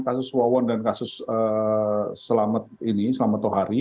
kasus wowon dan kasus selamet ini selamet ohari